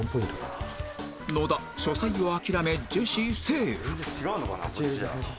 野田書斎を諦めジェシーセーフ